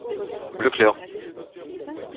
Bleu clair.